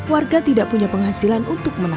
warga tidak punya penghasilan untuk menanam